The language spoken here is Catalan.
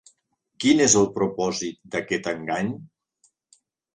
Quin és el propòsit d'aquest engany?